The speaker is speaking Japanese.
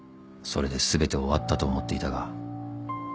［それで全て終わったと思っていたが］